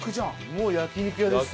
もう焼肉屋ですよ。